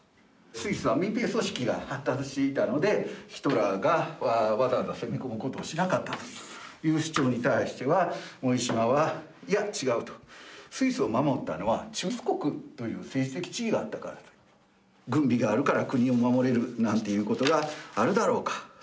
スイスは民兵組織が発達していたのでヒトラーがわざわざ攻め込むことをしなかったという主張に対しては森嶋は「いや違う」とスイスを守ったのは中立国という政治的地位があったから。軍備があるから国を守れるなんていうことがあるだろうか。